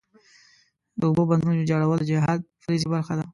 د اوبو بندونو ویجاړول د جهاد فریضې برخه ده.